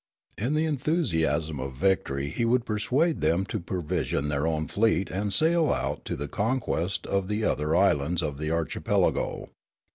In the enthusiasm of victory he would persuade them to provision their own fleet and sail out to the conquest of the other islands of the archipelago.